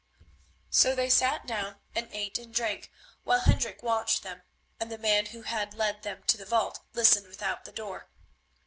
So they sat down and ate and drank while Hendrik watched them, and the man who had led them to the vault listened without the door.